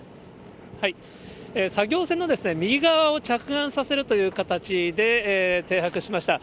作業船の右側を着岸させるという形で、停泊しました。